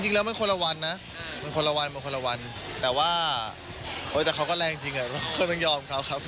จริงแล้วมันคนละวันนะมันคนละวันมันคนละวันแต่ว่าแต่เขาก็แรงจริงก็ต้องยอมเขาครับ